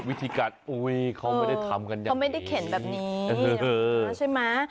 วิธีการอุ้ยเขาไม่ได้ทำกันอย่างเขาไม่ได้เข็นแบบนี้ใช่ไหม